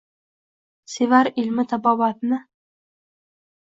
Sevar ilmi tabobatni